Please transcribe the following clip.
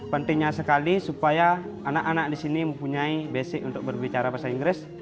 pentingnya sekali supaya anak anak di sini mempunyai basic untuk berbicara bahasa inggris